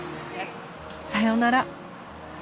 さようなら。